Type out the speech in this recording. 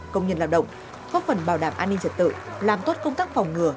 công nhân lao động góp phần bảo đảm an ninh trật tự làm tốt công tác phòng ngừa